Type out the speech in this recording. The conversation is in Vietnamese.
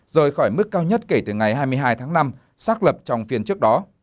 rời khỏi mức cao nhất kể từ ngày hai mươi hai tháng năm xác lập trong phiên trước đó